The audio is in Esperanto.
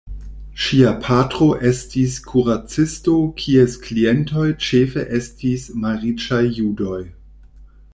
Ŝia patro estis kuracisto kies klientoj ĉefe estis malriĉaj judoj.